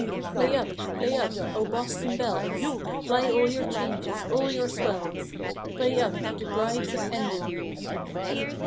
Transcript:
" Play uppe, play uppe, O Boston bells ! Ply all your changes, all your swells, Play uppe ' The Brides of Enderby.